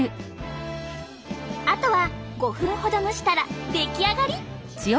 あとは５分ほど蒸したら出来上がり。